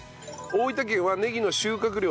大分県はねぎの収穫量